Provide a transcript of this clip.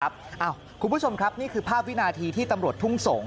คุณผู้ชมครับนี่คือภาพวินาทีที่ตำรวจทุ่งสงศ